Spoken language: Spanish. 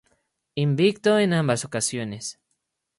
Invicto en ambas ocasiones.